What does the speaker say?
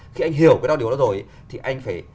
khi anh hiểu cái đau điều đó rồi thì anh phải